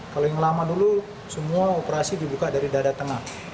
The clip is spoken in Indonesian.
kalau yang lama dulu semua operasi dibuka dari dada tengah